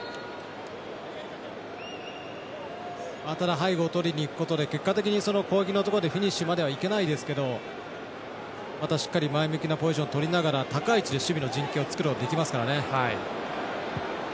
背後をとりにいくことで結果的に攻撃のところでフィニッシュまではいけないですけどまたしっかり前向きなポジションで高い位置で守備の陣形を作ることできますからね。